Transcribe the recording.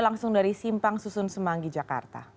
langsung dari simpang susun semanggi jakarta